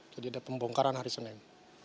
jadi ada pembongkaran hari senin